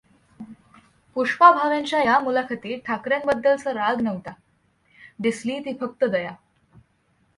पुष्पा भावेंच्या या मुलाखतीत ठाकरेंबद्दलचा राग नव्हता, दिसली ती फक्त दया.